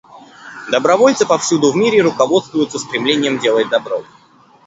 Добровольцы повсюду в мире руководствуются стремлением делать добро.